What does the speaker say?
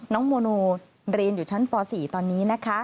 โมโนเรียนอยู่ชั้นป๔ตอนนี้นะคะ